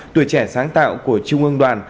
tuổi trẻ sáng tạo của trung ương đoàn